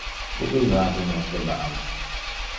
Ubi vade nos deman?